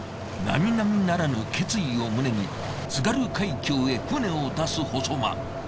なみなみならぬ決意を胸に津軽海峡へ船を出す細間。